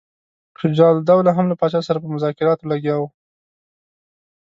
شجاع الدوله هم له پاچا سره په مذاکراتو لګیا وو.